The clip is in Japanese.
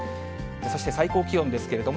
そして最高気温ですけれども、